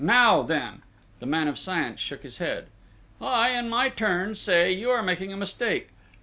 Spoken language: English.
Now, then!..." The man of science shook his head. "I, in my turn, say, you are making a mistake!